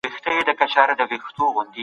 بل غوښتلې ځان وژنه څه ده؟